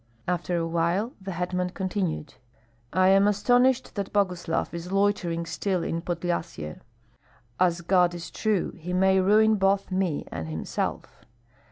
After a while the hetman continued: "I am astonished that Boguslav is loitering still in Podlyasye. As God is true, he may ruin both me and himself.